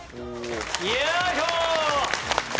よいしょ！